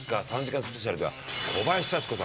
スペシャルでは小林幸子さん